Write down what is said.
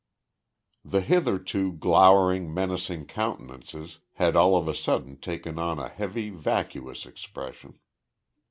The hitherto glowering, menacing countenances, had all of a sudden taken on a heavy, vacuous expression.